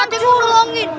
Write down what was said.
masih mau nolongin